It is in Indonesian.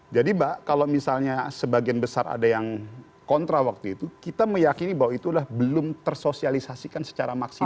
jadi mbak kalau misalnya sebagian besar ada yang kontra waktu itu kita meyakini bahwa itu udah belum tersosialisasikan secara maksimal